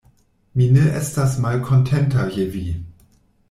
Mi ne estas malkontenta je vi.